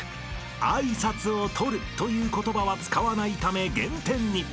［挨拶を取るという言葉は使わないため減点に］